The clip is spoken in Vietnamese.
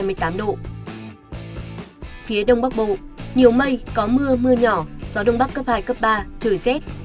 phía đông bắc bộ nhiều mây có mưa mưa nhỏ gió đông bắc cấp hai cấp ba trời rét